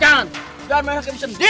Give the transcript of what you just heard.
jangan pak rt